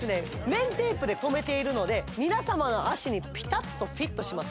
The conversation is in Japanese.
面テープで留めているので皆様の足にピタッとフィットします